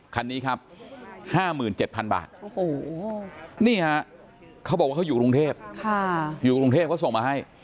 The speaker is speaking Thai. คันนี้ครับ๕๗๐๐บาทนี่ฮะเขาบอกว่าเขาอยู่กรุงเทพอยู่กรุงเทพเขาส่งมาให้